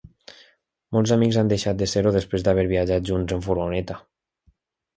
Molts amics han deixat de ser-ho després d'haver viatjat junts en furgoneta.